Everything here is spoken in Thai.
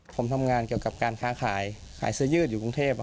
ผมทำงานเกี่ยวกับการค้าขายขายเสื้อยืดอยู่กรุงเทพ